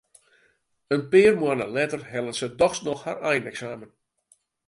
In pear moanne letter hellet se dochs noch har eineksamen.